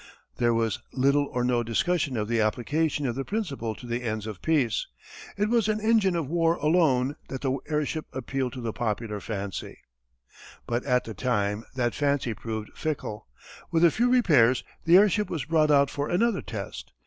There was little or no discussion of the application of the principle to the ends of peace. It was as an engine of war alone that the airship appealed to the popular fancy. But at the time that fancy proved fickle. With a few repairs the airship was brought out for another test.